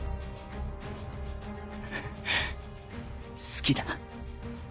好きだ。